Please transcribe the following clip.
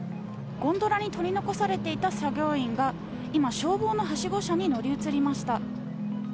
ゴンドラに取り残されていた作業員が今、消防のはしご車に乗り移りました。